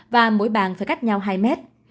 và mỗi bàn phải cách nhau hai mét